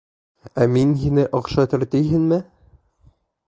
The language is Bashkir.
Ә мин һине оҡшатыр тиһеңме?